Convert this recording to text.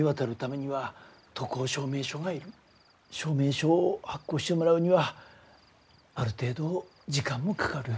証明書を発行してもらうにはある程度時間もかかる。